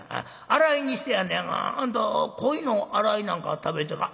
洗いにしてあんのやがあんた鯉の洗いなんか食べてか？」。